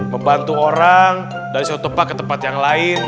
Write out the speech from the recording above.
membantu orang dari suatu tempat ke tempat yang lain